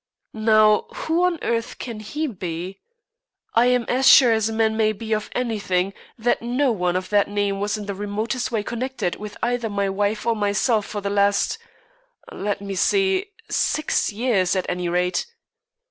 "Now, who on earth can he be? I am as sure as a man may be of anything that no one of that name was in the remotest way connected with either my wife or myself for the last let me see six years, at any rate."